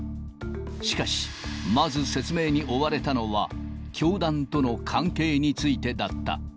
しかし、まず説明に追われたのは、教団との関係についてだった。